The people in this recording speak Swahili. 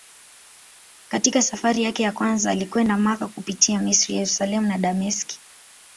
Katika safari yake ya kwanza alikwenda Makka kupitia Misri, Yerusalemu na Dameski.